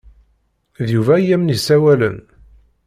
D Yuba i am-n-isawalen.